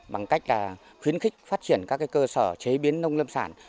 bằng cách là khuyến khích phát triển các cơ sở chế biến nông lâm sản